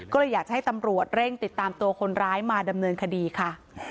ก็เลยอยากจะให้ตำรวจเร่งติดตามตัวคนร้ายมาดำเนินคดีค่ะ